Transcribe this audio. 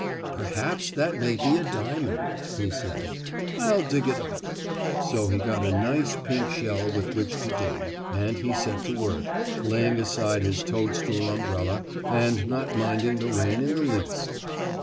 "Perhaps that may be a diamond," he said. "I'll dig it up." So he got a nice pink shell with which to dig, and he set to work, laying aside his toadstool umbrella, and not minding the rain in the least.